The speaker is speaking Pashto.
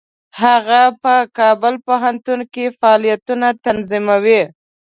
هغه په کابل پوهنتون کې فعالیتونه تنظیمول.